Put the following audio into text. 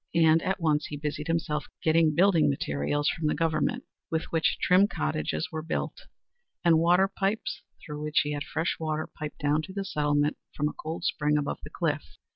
And at once he busied himself getting building materials from the Government, with which trim cottages were built, and water pipes, through which he had fresh water piped down to the settlement from a cold spring above the cliff.